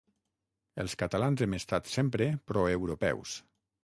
Els catalans hem estat sempre pro-europeus.